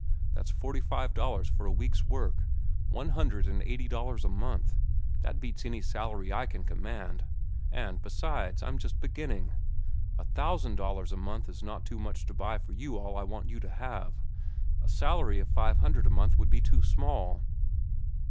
That's forty five dollars for a week's work, one hundred and eighty dollars a month. That beats any salary I can command. And, besides, I'm just beginning. A thousand dollars a month is not too much to buy for you all I want you to have. A salary of five hundred a month would be too small.